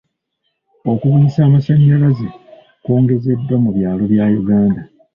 Okubunyisa amasannyalaze kwongezeddwa mu byalo bya Uganda.